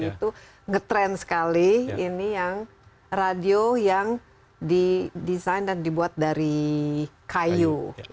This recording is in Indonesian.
itu ngetrend sekali ini yang radio yang didesain dan dibuat dari kayu